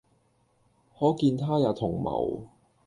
可見他也同謀，